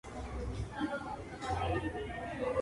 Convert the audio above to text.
En Asia se distribuye en Arabia Saudita y en Yemen.